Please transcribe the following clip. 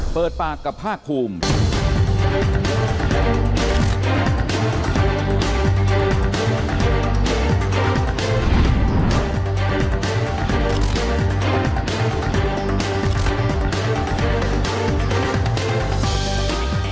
เปิดปากกับภาคภูมิ